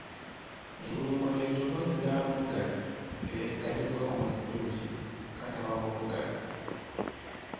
Ennyingo lye ddoboozi nnanvuga eryesigamizibbwa ku musingi katabamuvugano.